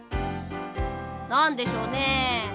なんでしょうね。